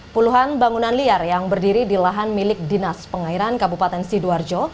puluhan bangunan liar yang berdiri di lahan milik dinas pengairan kabupaten sidoarjo